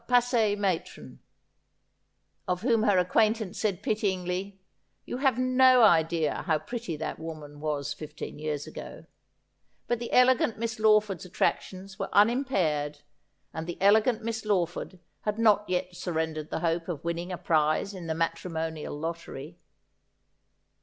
s .see matron, of whtim her acquaintance said pity ingly, ' You have no idea how pretty that woman was fifteen j'ears ago ;' but tlie ele gant Miss Lawfoid's attractions were unimpaired, and the ele gant Miss Lawford had not yet surrendered the hope of winning a prize in the matrimonial lottery.